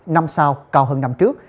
năm sau cao hơn năm trước